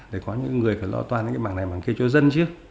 để có những người phải lo toan cái bảng này bảng kia cho dân chứ